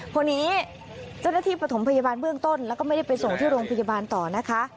คนนี้เจ้าหน้าที่ประถมพยาบาลเบื้องต้นแล้วก็ไม่ได้ไปส่งที่โรงพยาบาลต่อนะคะ